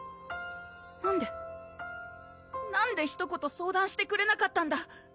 なんでなんでひと言相談してくれなかったんだ